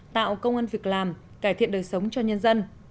tạo công an việc làm cải thiện đời sống cho nhân dân